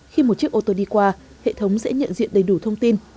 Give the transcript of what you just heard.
khi một chiếc ô tô đi qua hệ thống sẽ nhận diện đầy đủ thông tin